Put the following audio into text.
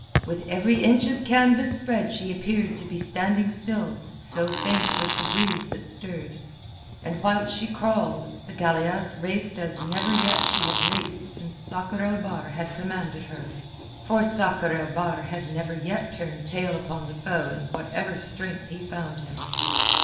With every inch of canvas spread yet she appeared to be standing still, so faint was the breeze that stirred. And whilst she crawled, the galeasse raced as never yet she had raced since Sakr el Bahr had commanded her, for Sakr el Bahr had never yet turned tail upon the foe in whatever strength he found him.